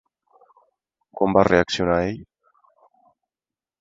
Com va reaccionar ell?